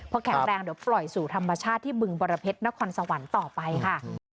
พอแข็งแรงเดี๋ยวปล่อยสู่ธรรมชาติที่บึงบรเพชรนครสวรรค์ต่อไปค่ะ